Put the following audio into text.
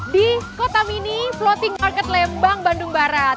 di kota mini floating market lembang bandung barat